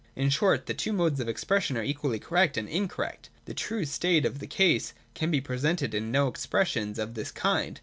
In short, the two modes of expres sion are equally correct and incorrect. The true state of the case can be presented in no expressions of this kind.